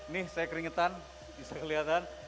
nih saya keringetan bisa kelihatan